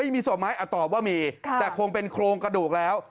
มีศพไหมตอบว่ามีแต่คงเป็นโครงกระดูกแล้ว